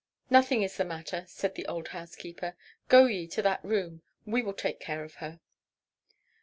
"Nothing is the matter," said the old housekeeper; "go ye to that room, we will take care of her."